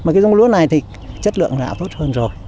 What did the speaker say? giống lúa này thì chất lượng là tốt hơn rồi